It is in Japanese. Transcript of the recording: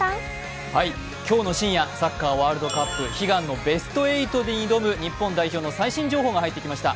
今日の深夜、サッカーワールドカップ悲願のベスト８に挑む日本代表の最新情報が入ってきました。